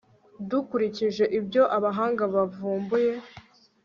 dukurikije ibyo abahanga bavumbuye